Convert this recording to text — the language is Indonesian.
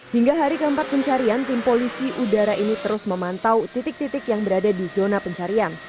hingga hari keempat pencarian tim polisi udara ini terus memantau titik titik yang berada di zona pencarian